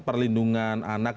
pengusaha yang hitam